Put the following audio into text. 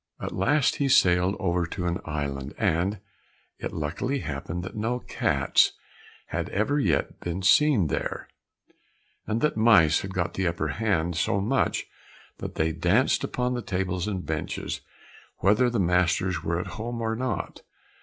At last he sailed over to an island, and it luckily happened that no cats had ever yet been seen there, and that the mice had got the upper hand so much that they danced upon the tables and benches whether the master were at home or not.